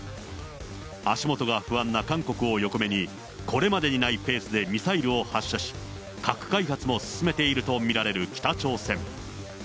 足元が不安な韓国を横目に、これまでにないペースでミサイルを発射し、核開発を進めていると見られる北朝鮮。